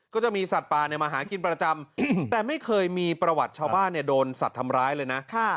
ก็จะมีสัตว์ป่ามาหากินประจำแต่ไม่เคยมีประวัติชาวบ้านโดนสัตว์ทำร้ายเลยนะ